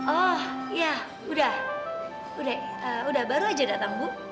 oh ya udah udah baru aja datang bu